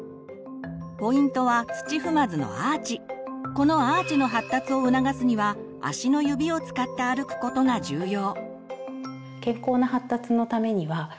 このアーチの発達を促すには足の指を使って歩くことが重要。